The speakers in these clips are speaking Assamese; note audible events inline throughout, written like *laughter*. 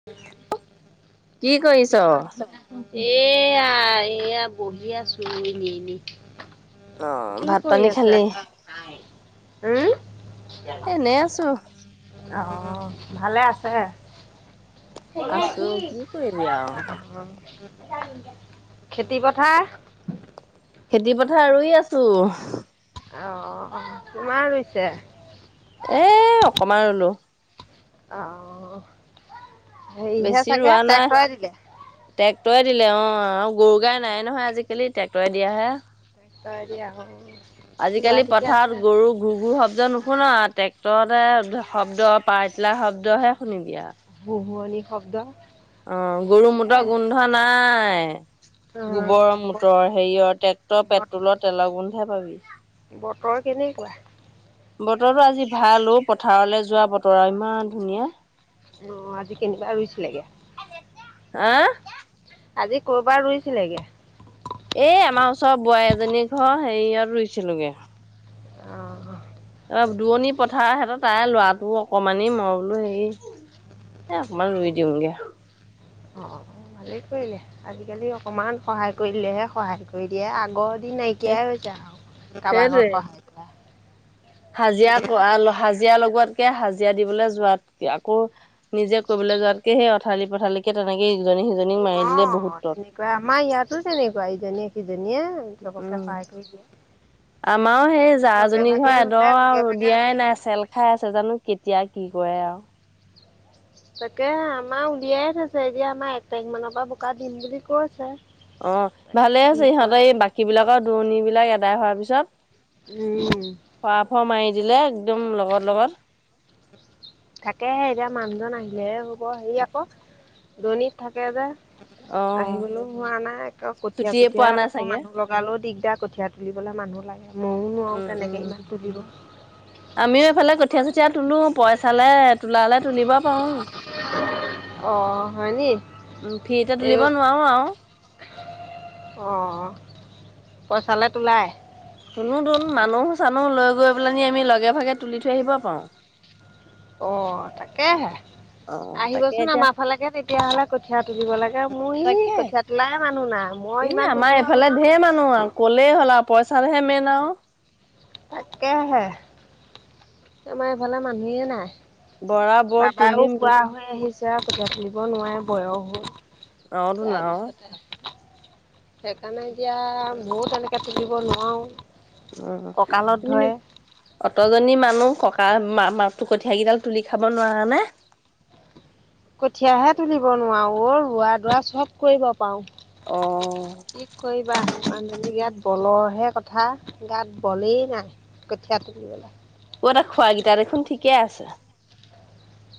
*inaudible* কি কৰি এয়া এইয়া বহিয়া চৰি নি নি অ' কি ভাত কৰি পানী খালি? আছা উম এনেই আছো আহ ভালে আছে সেই আছো কি কৰিবি আৰু খেতি পথাৰ খেতি পথাৰ ৰুয় আছো অ তোমাৰ লৈছে এ অকমান ৰুলো অ হেৰিহে বেছি চাগে ৰোৱা নাই। চেক কৰাই দিলে ট্ৰেক্টৰে দিলে অ, আৰু গৰু গাই নাই নহয় আজিকালি ট্ৰেক্টৰে দিয়াহে। *inaudible* ল'ৰা আজিকালি ঠিকে আছে? পথাৰত গৰু গুৰু গুৰ শব্দ নুশুন ট্ৰেক্টৰতে শব্দ পাৰতিলা শব্দহে শুনিবি আৰু। ভুহুৱনিী শব্দ। অ, গৰু মটৰ গোন্ধ নাই। গোবৰৰ ব মটৰ হেৰিয়ৰ ট্ৰেক্টৰ বত পেট্ৰলৰ তেলৰ গোন্ধে পাবি। ঘৰ কেনেকুৱা? বতৰটো আজি ভালো পথাৰলৈ যোৱা বতৰ আৰু ইমান ধুনীয়া। অ, আজি কেনিবা ৰুইছিলেগে? হা? আজি কৰ'ৰবাত ৰুইছিলেগ? এই আমাৰ ওচৰ বোৱাৰী এজনী ঘৰ হেৰিয়ত ৰুইছিলোগে। আহ, অ দুৰণি পথাৰ হেঁতৰ তাই ল'ৰাটো অকমানি মই বোলো হেৰি এ অকমান ৰুই দিওঁগে। অ, ভালেই কৰিলে আজিকালি অকমান সহায় কৰিলেহে সহায় কৰি দিয়ে আগত সেই নাইকিয়াই হৈ হৈছে আৰু কাৰোবাক সেইটোৱে ঘত ক়াই হাজিৰা হাজিৰা লগোৱাতকে হাজিৰা দিবলৈ যোৱাতক আকৌ নিজে কৰিবলৈ যোৱাতকে সেই অথালি পথালিকে তেনেকে ইজনী সিজনীক মাৰি দিলে অঁ বহুত তট। তেনেকুৱা আমাৰ ইয়াতো তেনেকুৱা ইজনীয়ে সিজনীয়ে উম চকে সহায় কৰি দিয়ে। আমাৰো সেই লগে জাজী ভাগে ঘৰ এডৰ ৰুলে লগে আৰু ভাগে ৰৰুদিয়াই আজৰি নাই হয় চেল খাই আছে জানো কেতিয়া কি কৰে আৰু। তাকে আমাৰ উলিয়াইে থৈছে এতিয়া আমাৰ এক তাৰিখ মানৰ পৰা বোকা দিম বুলি কৈছে। অ, ভালে কি আছে কয় ইহঁতেৰ এই বাকী বিলাকৰ দূৰণ বিলাক আদায় হোৱাৰ পিছত উম, খোৱা ফোৱা মাৰি দিলে একদম লগৰ লগত থাকেহে এতিয়া মানুহজন আহিলেহে হ'ব। হেৰি আকৌ দূৰণীত থাকে যে। অ আহিবলৈও হোৱা নাই এক কঠীয়া ছুটিয়ে চঠিয় পোৱা নাই আকৌ চাগে মানুহ লগ কালো দিগদাৰ কঠীয়াা তুলিবলৈ মানুহ লাগে ময়ো নোৱাৰো উম তেনেকে উম ইমান তুলিব। আমিও এইফালে কঠীয়া চঠীয়া তোলো পইচালে তোলালে তুলিব পাৰো। অঁ হয়নি উম, ফ্ৰীতে তুলিব নোৱাৰো আৰু। অ, পইচালৈ তোলাই? টোনো টোন মানুহ চানুহ লৈ গৈ পেলি আমি লগে ভাগে তুলি থৈ আহিব পাৰোঁ। অ, তাকেহে। অ তাকে আহিবচোন এতিয়া আমাৰ ফালেকে তেতিয়াহলে কঠীয়া তুলিব লাগে মোৰ ই তাকে কঠীয়াত ওলাই মানুহ না মই ইমান তুলিব *inaudible* নোৱাৰোঁ ধেৰ মানুহ আৰু। ক'লেই হ'ল আৰু পইচাহে মেইন আৰু। তাকেহে। আমাৰ এইফালে মানুহে নাই, বৰা বৰ বাবাও তুলিম পোৱা অ হয়। আহিছে আৰু পঠিয়ীয়া খুলিব নোৱাৰে বয়সো তোন তাৰ আৰু পিছতে সেইকাৰণে এতিয়া ময়ো তেনেকে *inaudible* নোৱাৰো। অ, *inaudible* অতজনী মানুহ ককা কঠীয়া কেইডাল তুলি খাব নোৱাৰানে? কঠিয়াহে তুলিব নোৱাৰো অ, ৰোৱা দোৱা চব কৰিব পাৰো। অ, কি কৰিবা মানুহজনী গাত বলৰহে কথা গাত বলেই নাই। কঠীয়া তুলিবলে। ক'তা খোৱ গীটা দেখোন ঠিকে আছে।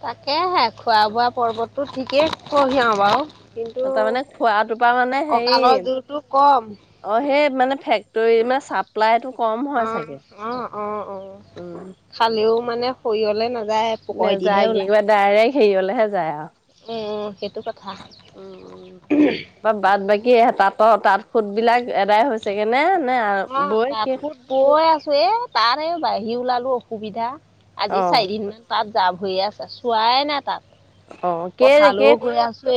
তাকেহে খোৱা বোৱা পৰ্বতটো ঠিকেই কঢ়িয়াই বাৰু। কিন্তু তাৰমানে খোৱাটোৰ পৰা মানে হেৰি কঁকালৰ জোৰতটো কম অ', সেই মানে ফেক্টৰী মানে চাপ চপ্লাইতটো কম অ হয় চাগে অ অ অ খালেও মানে সৰিয়লে নাযায় পকৰেদিহে নেযায় কি কিবা ডাইৰেক্ট হেৰিবলেহে যায় আৰু অ', অ', সেইটো কথা। উম উ তাৰপৰা বাট বাকী তাঁতৰ তাঁত ফুত বিলাক এদাই হৈছে। চাগেনে নে অঁ বই তাঁত কি সুত বৈ আছো এ তাৰে বাহি ওলালো অসুবিধা অ আজি চাৰিদিন মান তাত যা ভৰিয়ে আছে চোৱাই নাই তাত অ', কে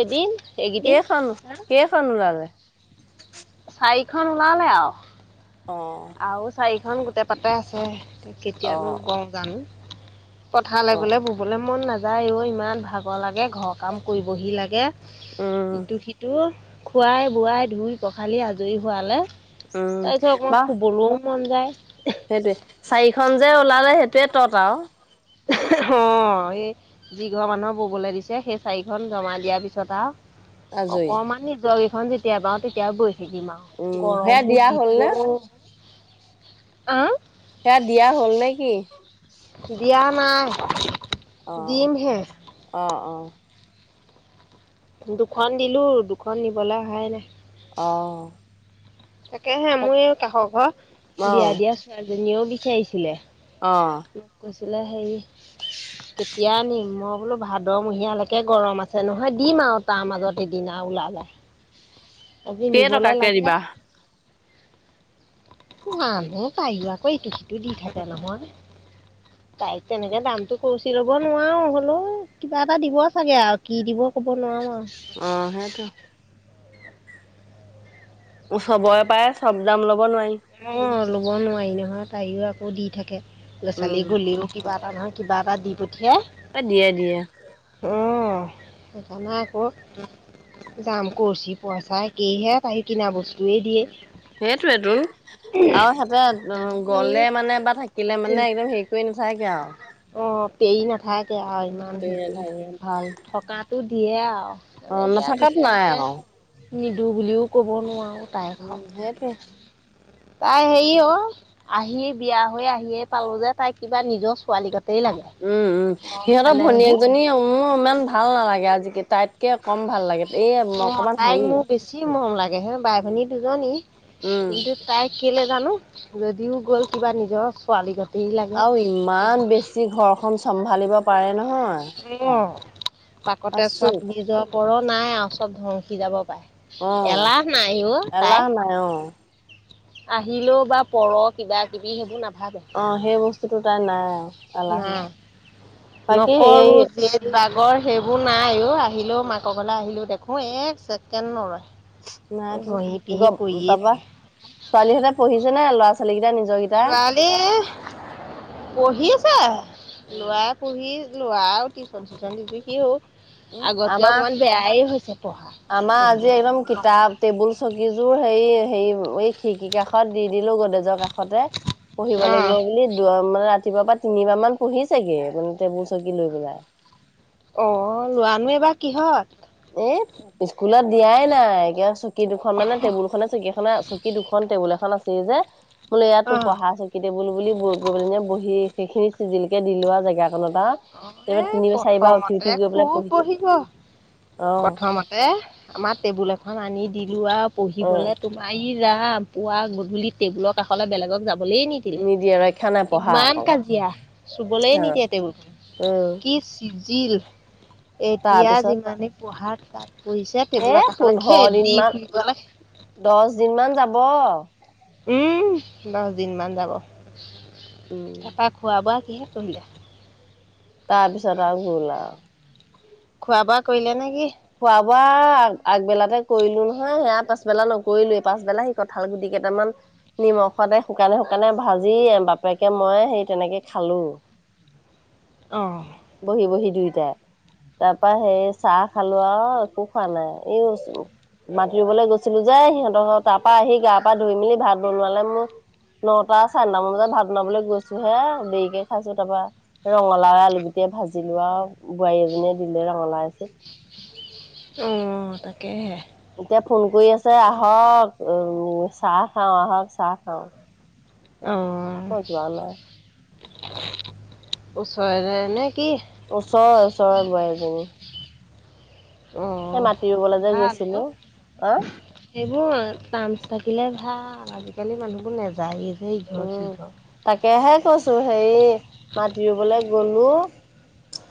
এদিন কে এইকেইদিন খান কে খানু ওলালে চাৰিখন ওলালে আও। অ'। আৰু চাৰিখন গোটেই পাতে আছে অ কেতিয়ানো বো জানো পথালৈ অ গ'লে বুবলৈ মন নাযায় অ', ইমান ভাগৰ লাগে ঘৰ কাম কৰিবহি লাগে। উম ইটো সিটো খুৱাই বোৱাই ধুই পখালি আজৰি হোৱালে। উম তাৰপিছত অকমান বা শুবলৈও মন যায়। সেইটোৱে চাৰিখন যে ওলালে সেইটোৱে তত আৰু অ', সেই যিঘৰ মানুহক ব'বলৈ দিছে সেই চাৰিখন জমা দিয়াৰ পিছত আৰু আজৰি অকমান নিজৰ কেইখন যেতিয়া বৈ তেতিয়াও বৈ থাকিম আৰু। উম সেয়া গৰমো দিয়া হ'ল নে যিটো আহ। সেয়া দিয়া হ'ল নে কি? দিয়া নাই অ দিম হে। অ', অ'। দুখন দিলো দুখন নিবলৈ অহাই নাই। অ'। তাকেহে মোৰ এই কাষৰ ঘৰ অ বিয়া দিয়া ছোৱালীজনীয়েও বিচাৰিছিলে। অ'। কৈছিলে সেই কেতিয়া নিম মই বোলো ভাদমহিয়ালৈকে গৰম আছে নহয় দিম আৰু। তাৰ মাজত সেইদিনা ওলালে আজি কেই নিবলে টকাকে লাগে। দিবা মানুহো পাই আকৌ এইটো সিটো দি থাকে নহয়। তাইক তেনেকে দামটো কচি ল'ব নোৱাৰো হলেও কিবা এটা দিব চাগে আৰু কি দিব ক'ব নোৱাৰো আৰু। অহ সেইটো। চবৰে পায় চব দাম ল'ব নোৱাৰি। অ', ল'ব নোৱাৰি নহয় তাইও আকৌ দি থাকে উম গছালি গলেও কিবা এটা নহয়। কিবা এটা দি পঠিয়াই। এ দিয়ে দিয়ে। উম, সেইকাৰণে আকৌ যাম কৰছি পইচা একেইহে তাকি কিনা বস্তুৱয়ে দিয়ে। সেইটোয়েতো আৰু সিহঁতে সেইকাৰণে গলে মানে বা থাকিলে এই মানে একদম সেই কুই নাথাকে আৰু অ', পেৰি নাথাকে আৰু ইমান হেৰি কৰি নাথাকে ভাল থকাটো দিয়ে আৰু। মানে অ', এতিয়া নথাকাতে নাই বিচাৰিছে আৰু। নিদো বুলিও ক'ব নোৱাৰোঁ। তাইক উম, আৰু সেইটোয়ে। তাই হেৰি অ', আহি বিয়া হৈ আহিয়ে পালো যে তাই কিবা নিজৰ ছোৱালী কতেই লাগে। উম, উম মৰম সিহঁতৰ চেনেহ ভনীয়েক সেইবোৰ জনী উম উম মোৰ ইমান ভাল নালাগে আজিকালি তাইতকে কম ভাল লাগে। এই অ', অকমান তাইক হেৰি মোৰ বেছি মৰম লাগে হে বাই ভনী দুজনী উম কিন্তু তাই কেইলে জানো যদিও গ'ল কিবা নিজৰ ছোৱালী কথ আৰু ইমান বেছি, ঘৰখন চম্ভালিব পাৰে ন। উম, পাকতে চৱা আচৰিত নিজৰ পৰো নাই আৰু চব ধ্বংসি যাব অ পাৰে। এলাহ নাই অ এলাহ তাই। নাই অ আহিলেও বা পৰ কিবা কিবি সেইবোৰ নাভাবে। অ', সেই বস্তুটো তাই নাই আৰু এলাহ নাই বাকী নকৰো এই জেদ বাগৰ সেইবোৰ নাইও, আহিলোও মাকৰ ঘাললে আহিলো দেখো এক চছেকেণ্ড নৰয়। নাইটো ঘঁহি পিহি কৰিয়ে গতাৰপৰা থাকে ছোৱালীহঁতে পঢ়িছে নাই ল'ৰা ছোৱালী কেইটা নিজ ছোৱালী পঢ়ি আছে, লোৱা উম পঢ়ি লোৱা আৰু টিউশন চিচন দিছো সি হ'ল। আগতকে আমাৰ অকমান বেয়াই হৈছে পঢ়া আমাৰ পঢ়িব আজি ম একদম নক কিতাপ টেবুল চকীযোৰ হে হেৰি এই খিৰিকী কাষত দি দিলো গদেজৰ কাষ তে পঢ়িব অ লাগিব বুলি মানে ৰাতিপুৱা পা তিনিবাৰ মান পঢ়ি চাগে মানে টেবুল চকী লৈ পেলাই। অ' লোৱানো এইবাৰ কিহত। এই স্কুলত দিয়াই নাই, কিয় চকী দুখন মানে টেবুল খনে চকী খনে চকী দুখন টেবুল এখন আছে। যে বোলে ইয়াত তো অ পঢ়া কটেবুল বুলি বগৈ পেলনে বহি সেইখিনি চিজিলিকৈ দি লোৱা জেগাকখন এটা আৰু। অ' এ এইবাৰ তিনিবাৰ চাৰিবাৰ উঠি উঠি প্ৰথমতে গৈ পেলাই খুব পঢ়িছে পঢ়িব। অ প্ৰথমতে আমাৰ টেবুল এখন আনি দিলো আৰু অ পঢ়িবলে তোমাৰ মাৰ ৰা পুৱা গধূলি টেবুলৰ কাষলৈ বেলেগক যাবলেই নেকি নিদিয়ে ৰক্ষা নাই পঢ়া ইমান আকৌ কাজিয়া, চুবলৈ অ নিদিয়া টেবুলটো। উম কি চিজিল, এতিয়া তাৰপিছত যিমানে পঢ়াত তাত পৰিছে। এ টেবুলৰ কাষলে, পোন্ধৰ দিন খেদি মান ফুৰিব লাগে। দহ দিন মান যাব উম, দহ দিন মান যাব, তাপা খোৱা বোৱা কিহে কৰিলে তাৰ পিছত আৰু হল আৰু। খোৱা বোৱা কৰিলে নে কি? খোৱা বোৱা আগবেলাতে কৰিলো নহয়, সেয়া পাছবেলা নকৰিলো, এই পাছবেলা সি কঁঠাল গুটি কেইটামান নিমখতে শুকানে, শুকানে, ভাজি, বাপেকে মই হে তেনেকে খালো। অ'। বহি, বহি, দুইটাই তাৰ পা সেই চাহ খালো আহ, একো খোৱা নাই এই মাতি ৰুবলৈ গৈছিলো যে, সিহঁতৰ তাৰ পৰা আহি গা পা ধুই মেলি ভাত বনোৱালে মোৰ নটা চাৰে নটামান বজাত, ভাত বনাবলৈ গৈছো হে দেৰিকে খাইছো তাৰপৰা। ৰঙালাও আলু গুটিয়ে ভাজিলো আৰু, বোৱাৰী এজনীয়ে দিলে ৰঙালাউ আছিল। অ' তাকেহে। এতিয়া ফোন কৰি আছে, আহক চাহ খাওঁ আহক চাহ খাওঁ। অ' মই যোৱা নাই ওচৰেৰে নে কি? ওচৰৰ ওচৰৰ বোৱাৰী জনী। অ' ৰুবলৈ যে ভাল। গৈছিলো অ সেইবোৰ চান্স থাকিলে ভাল আজিকালি মানুহবোৰ নেযায় যে। ইঘৰ সিঘৰ। তাকেহে কৈছোঁ, হেৰি মাতি ৰুবলৈ গ'লোঁ।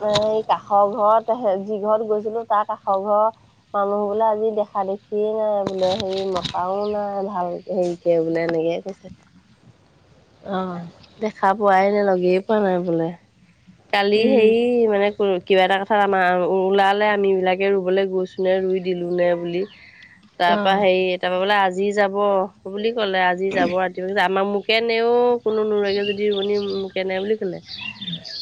এ কাষৰ ঘৰত, যি ঘৰত গৈছিলো তাৰ কাষৰ ঘৰ মানুহ বোলে আজি দেখা দেখিয়ে নাই, বোলে হেৰি মতাও নাই ভাল হেৰি *unintelligible* বোলে এনেকৈ কৈছে। অ'। দেখা পোৱাই নে, লগেই পোৱা নাই বোলে কালি হে মানে। কিবা এটা কথাত আমাৰ ওলালে, আমি বিলাকে ৰুবলৈ গৈছো নে, ৰুই দিলো নে বুলি। তাৰপা অ', হেৰি তাৰ পা বোলে আজি যাব বুলি কলে আজি যাব। আমাৰ মোকে নেও কোনো নুৰুগে যদি ৰোৱনী মোকে নে বুলি ক'লে।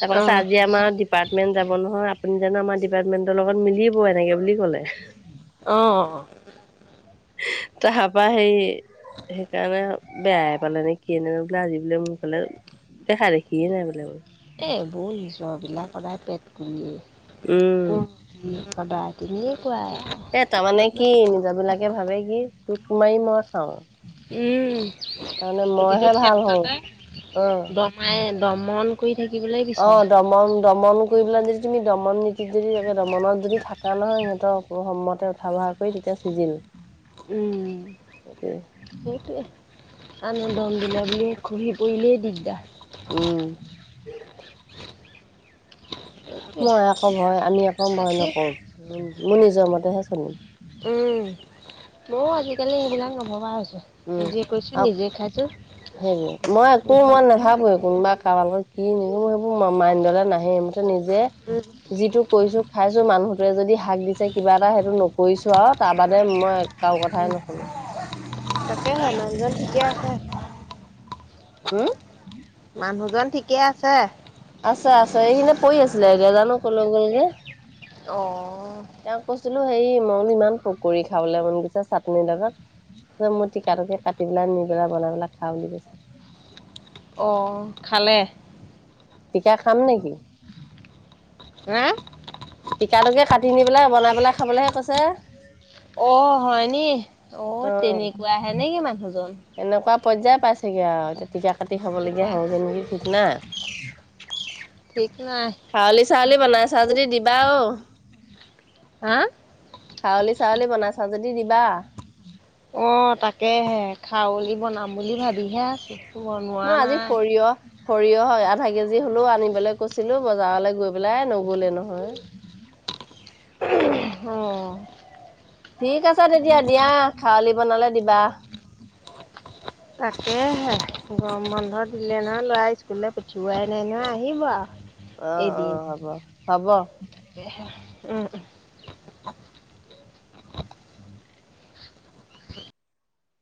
তাৰপা কৈছে অ', আজি আমাৰ ডিপাৰ্টমেন্ট যাব নহয় আপুনি জানো আমাৰ ডিপাৰ্টমেন্টৰ লগত মিলিব এনেকে বুলি ক'লে। অ'। তাৰপা হেৰি সেইকাৰণে বেয়াই পালে নে কি ন বোলে আজি বোলে মোৰফালে দেখা দেখিয়ে নাই বোলে। এই বৌ নিজৰ বিলাক সদায় পেট কুলিয়ে। উম, *unintelligible* তেনেকুৱাই। আৰু এ তাৰমানে কৰিবা। কি নিজৰবিলাকে ভাবে কি তোক মাৰি মই খাওঁ। উম, তাৰমানে প্ৰতিটো মইহে ভাল হওঁ ক্ষেত্ৰতে অ'। দ মাই দমন কৰি থাকিবলৈ অ' বিচাৰে। দমন দমন কৰি পেলাই যদি তুমি দমন নীতিত যদি তাকে দমনত যদি থকা নহয় সিহঁতক মোৰ সমতে উঠা বঢ়া কৰি তেতিয়া চিজিল। উম। সেইটোৱে সেইটোয়ে আনন্দ মন্দিল বুলি ঘূৰি পৰিলেই দিগদাৰ। উম। সেইটোৱে মই আকৌ ভয় আমি একৌ ভয় বাকী নকৰওঁ মই নিজৰ মতেহে চলিম। ময়ো আজিকালি এইবিলাক নভবা হৈছোঁ। উম, আৰু হেৰি মই একো নিজৰ মই মতেহে নাভাবোৱ থাকিম কোনোবা কাৰোবা লগত উম, মোৰ এইবোৰ মাইণ্ডলে নাহে মুঠতে নিজে *inaudible* যিটো কৰিছো খাইছো মানুহটোৱে যদি হাক দিছে কিবা এটা সেইটো নকৰিছো আৰু তাৰ বাদে মই কাৰো কথাই নুশুনো। তাকে হে মানুহজন ঠিকে আছে? হম? মানুহজন ঠিকে আছে? আছে আছে এইখিনিতে পৰি আছিলে এতিয়া জানো ক'লে গ'লগে। অ'। তেওঁক কৈছিলো হেৰি মই ইমান পকৰি খাবলৈ মন গৈছো চাটনি লগত। তাৰপিছত মোৰ টিকা তোকে কাটি পেলাই নি পেলাই বনাই পেলাই খা বুলি কৈছে। অ', খালে? টিকা খাম নেকি? হা? টিকা তোকে কাটি নি পেলাই বনাই পেলাই খাবলৈহে কৈছে। অ', হয় নি অ' তেনেকুৱা হে নেকি মানুহজন। এনেকুৱা পৰ্যায় পাইছেগে আৰু এতিয়া টিকা কাটি খাবলগীয়া উপায় হ যে নাই নেকি ঠিক নাই। ঠিক নাই। খাৰলি চাৰলি বনাই চা যদি দিবা আৰু। হা? খাৰলি চাৰলি বনাই চা যদি দিবা। অ', তাকেহে খাৰলি বনাম বুলি ভাবিহে আছো বনোৱা মই আজি নাই। সৰিয়হ সৰিয়হ আধা কেজি হ'লেও আনিবলৈ কৈছিলো বজাৰলৈ গৈ পেলাই নগ'লে নহয়। *inaudible* অ'। ঠিক আছে তেতিয়া দিয়া খাৰলি বনালে দিবা। তাকেহে গৰম বন্ধ দিলে নহয় ল'ৰা স্কুললৈ পঠিওৱাই নাই নহয় আহিব আৰু। অ', অ', হ'ব হ'ব। তাকেহে উম।